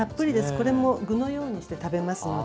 これも具のようにして食べますので。